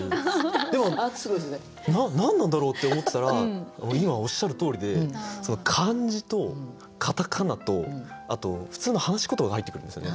でも「何なんだろう？」って思ってたら今おっしゃるとおりで漢字とカタカナとあと普通の話し言葉が入ってくるんですよね。